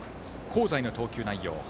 香西の投球内容。